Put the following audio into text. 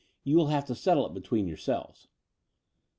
You will have to settle it between yourselves."